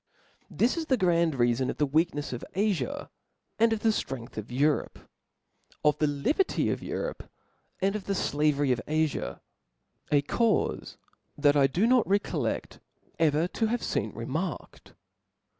This is the grand reafon of the weaknefs of Afia, and of the ftrength of Europe ; of the liberty of Europe and of the (lavery of Afia: a caufc that I do not recolleft ever to hare fcen remarked.